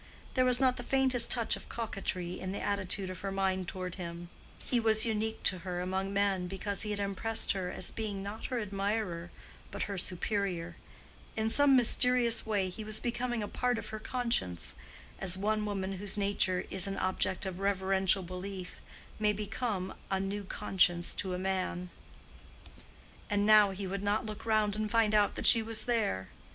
There was not the faintest touch of coquetry in the attitude of her mind toward him: he was unique to her among men, because he had impressed her as being not her admirer but her superior: in some mysterious way he was becoming a part of her conscience, as one woman whose nature is an object of reverential belief may become a new conscience to a man. And now he would not look round and find out that she was there!